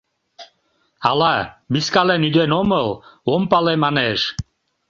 — Ала, вискален ӱден омыл, ом пале — манеш.